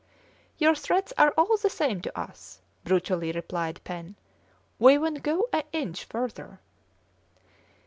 "Your threats are all the same to us," brutally replied Pen; "we won't go an inch further."